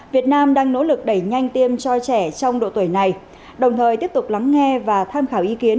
việt nam đang nỗ lực đẩy nhanh tiêm cho trẻ trong độ tuổi này đồng thời tiếp tục lắng nghe và tham khảo ý kiến